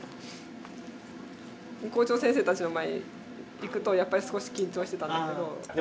校長先生たちの前に行くとやっぱり少し緊張してたんだけど。